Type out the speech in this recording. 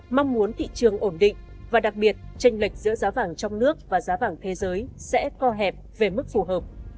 mong muốn thị trường ổn định và đặc biệt tranh lệch giữa giá vàng trong nước và giá vàng thế giới sẽ co hẹp về mức phù hợp